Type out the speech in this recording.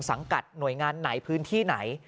กับหน่วยงานไหนพื้นที่ไหน